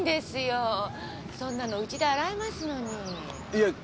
いえ。